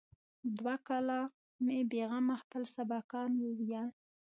دوه کاله مې بې غمه خپل سبقان وويل.